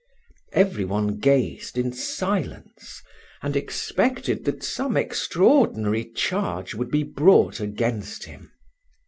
Every one gazed in silence, and expected that some extraordinary charge would be brought against him.